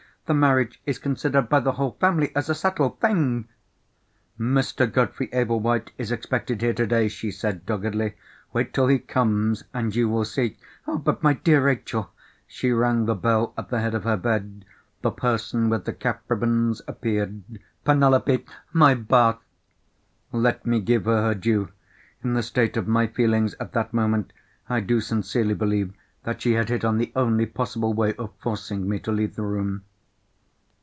"The marriage is considered by the whole family as a settled thing!" "Mr. Godfrey Ablewhite is expected here today," she said doggedly. "Wait till he comes—and you will see." "But my dear Rachel——" She rang the bell at the head of her bed. The person with the cap ribbons appeared. "Penelope! my bath." Let me give her her due. In the state of my feelings at that moment, I do sincerely believe that she had hit on the only possible way of forcing me to leave the room.